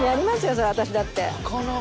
そりゃ私だって。